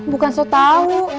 bukan so tau